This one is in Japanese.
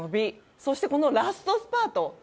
そして、ラストスパート。